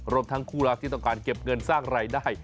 ทั้งคู่รักที่ต้องการเก็บเงินสร้างรายได้